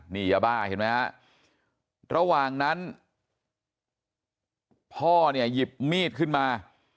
นี่ยาบ้าเห็นไหมฮะระหว่างนั้นพ่อเนี่ยหยิบมีดขึ้นมา